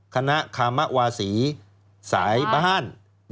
คณะคามวาศีสายบะฮั่น